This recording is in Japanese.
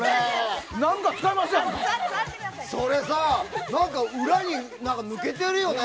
それさ、裏に何か抜けてるよね。